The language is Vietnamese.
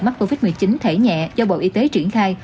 mắc covid một mươi chín thẻ nhẹ do bộ y tế triển khai